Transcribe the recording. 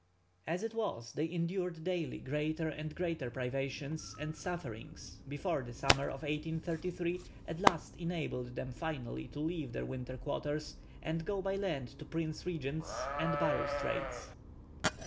As it was, they endured daily greater and greater privations and sufferings before the summer of 1833 at last enabled them finally to leave their winter quarters and go by land to Prince Regent's and Barrow Straits.